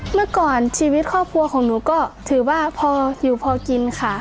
เมื่อก่อนชีวิตครอบครัวของหนูก็ถือว่าพออยู่พอกินค่ะ